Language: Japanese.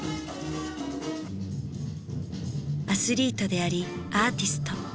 アスリートでありアーティスト。